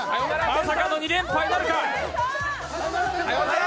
まさかの２連敗なるか！？